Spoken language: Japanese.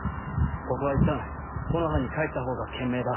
ここはいったん木ノ葉に帰ったほうが賢明だ。